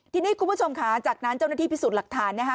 ทีนี้คุณผู้ชมค่ะจากนั้นเจ้าหน้าที่พิสูจน์หลักฐานนะคะ